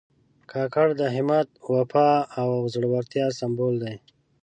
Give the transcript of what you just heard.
کاکړ د همت، وفا او زړورتیا سمبول دي.